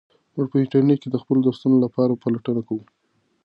موږ په انټرنیټ کې د خپلو درسونو لپاره پلټنه کوو.